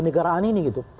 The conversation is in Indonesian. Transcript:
kenegaraan ini gitu